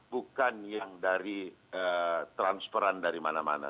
bukan yang dari transferan dari mana mana